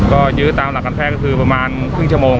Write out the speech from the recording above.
ก็ยื้อตามหลักการแพทย์ก็คือประมาณครึ่งชั่วโมง